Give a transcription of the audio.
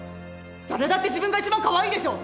誰だって自分が一番かわいいでしょ！